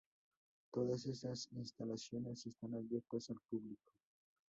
Todas estas instalaciones están abiertas al público.